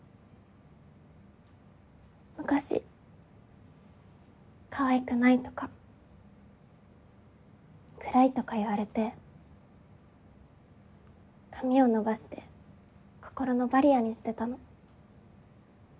昔かわいくないとか暗いとか言われて髪を伸ばして心のバリアーにしてたの。